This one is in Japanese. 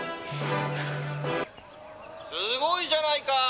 「すごいじゃないか！